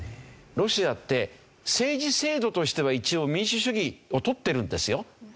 ロシアって政治制度としては一応民主主義をとってるんですよ。